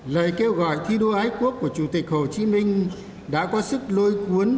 lời kêu gọi thi đua ái quốc của chủ tịch hồ chí minh đã có sức lôi cuốn